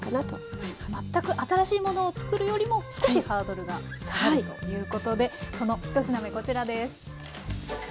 全く新しいものを作るよりも少しハードルが下がるということでその１品目こちらです。